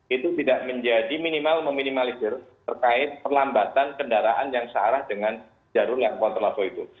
itu tidak menjadi minimal meminimalisir terkait perlambatan kendaraan yang searah dengan jalur yang kontraflow itu